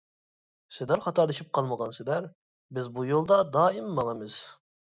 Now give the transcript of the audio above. سىلەر خاتالىشىپ قالمىغانسىلەر؟ -بىز بۇ يولدا دائىم ماڭىمىز.